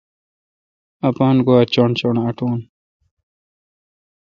اپان گواچݨ چݨ اٹوُن۔